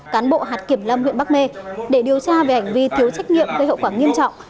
cán bộ hạt kiểm lâm huyện bắc mê để điều tra về hành vi thiếu trách nhiệm gây hậu quả nghiêm trọng